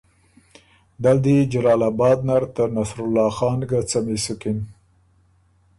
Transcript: دل دی جلال آباد نر ته نصرالله خان ګۀ څمی سُکِن